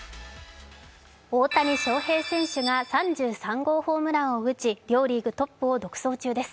大谷翔平選手が３３号ホームランを打ち両リーグトップを独走中です。